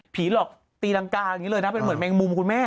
หลอกตีรังกาอย่างนี้เลยนะเป็นเหมือนแมงมุมคุณแม่